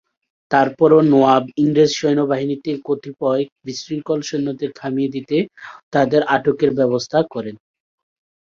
তারপরও নওয়াব ইংরেজ সৈন্যবাহিনীতে কতিপয় বিশৃঙ্খল সৈন্যদের থামিয়ে দিতে তাদের আটকের ব্যবস্থা করেন।